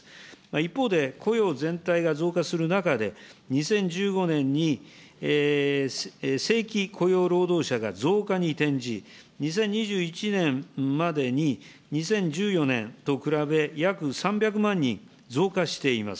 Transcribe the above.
一方で、雇用全体が増加する中で、２０１５年に、正規雇用労働者が増加に転じ、２０２１年までに、２０１４年と比べ、約３００万人増加しています。